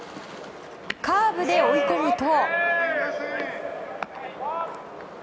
カーブで追い込むと。